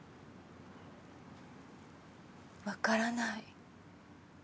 わからない。